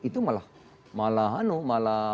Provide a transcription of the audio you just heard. itu malah malah hano malah